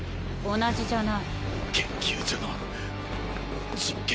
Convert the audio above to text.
同じじゃない。